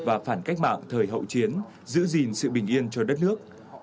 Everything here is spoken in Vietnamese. và phản cách mạng thời hậu chiến giữ gìn sự bình yên cho đất nước